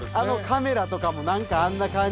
カメラとかもあんな感じ。